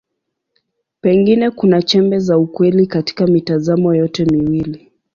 Pengine kuna chembe za ukweli katika mitazamo yote miwili.